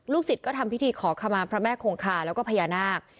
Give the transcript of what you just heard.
ลูกศิษย์ก็ทำพิธีขอขมาพระแม่โขงคาและพญานาค